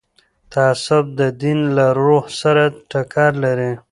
تعصب د دین له روح سره ټکر لري